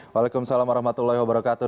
waalaikumsalam warahmatullahi wabarakatuh